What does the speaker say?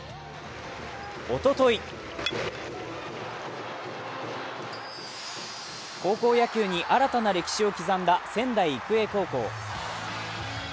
おととい高校野球に新たな歴史を刻んだ仙台育英高校。